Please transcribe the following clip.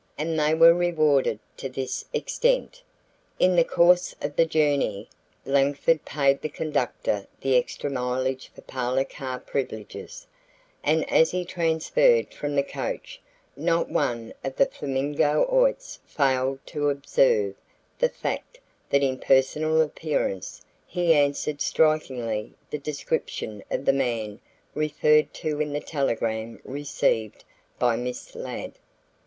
And they were rewarded to this extent: In the course of the journey, Langford paid the conductor the extra mileage for parlor car privileges, and as he transferred from the coach, not one of the Flamingoites failed to observe the fact that in personal appearance he answered strikingly the description of the man referred to in the telegram received by Miss Ladd.